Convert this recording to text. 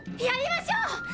やりましょう！